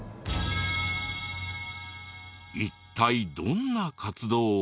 一体どんな活動を？